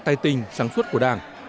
tài tình sáng suốt của đảng